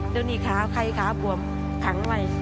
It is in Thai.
เดี๋ยวนี้ขาไข่ขาปว่ำขังไว้